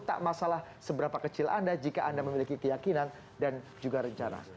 tak masalah seberapa kecil anda jika anda memiliki keyakinan dan juga rencana